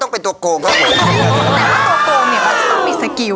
พ่มโผออกมาจากฉาก